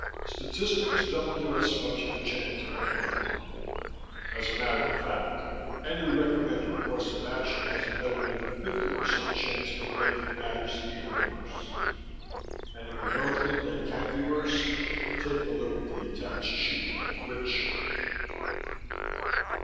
Statistics doesn't give us much of a chance of heading them off. As a matter of fact, any recommended course of action has better than a 50% chance of making matters even worse. And if you don't think they can be worse, take a look at the attached sheet, which....